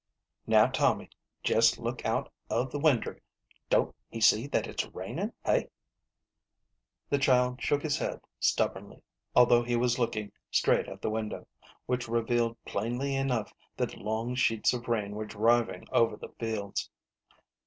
" Now, Tommy, jest look out of the winder. Don't he see that it's rainin', hey ?" The child shook his head stubbornly, although he was looking straight at the window, which revealed plainly enough that long sheets of rain were driving over the fields.